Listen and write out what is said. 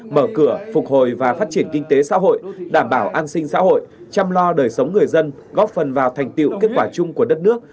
mở cửa phục hồi và phát triển kinh tế xã hội đảm bảo an sinh xã hội chăm lo đời sống người dân góp phần vào thành tiệu kết quả chung của đất nước